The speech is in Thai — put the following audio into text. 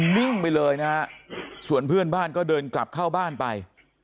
นิ่งไปเลยนะฮะส่วนเพื่อนบ้านก็เดินกลับเข้าบ้านไป